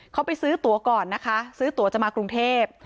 เขาไปซื้อตัวก่อนนะคะซื้อตัวจะมากรุงเทพ